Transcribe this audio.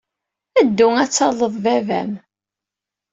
Ddu ad talled baba-m.